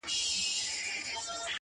خو یو وخت څارنوال پوه په ټول داستان سو،